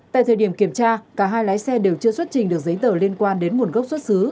tại thời điểm kiểm tra cả hai lái xe đều chưa xuất trình được giấy tờ liên quan đến nguồn gốc xuất xứ